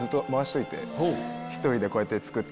１人でこうやって作って。